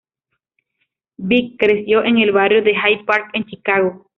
Vic creció en el barrio de Hyde Park en Chicago.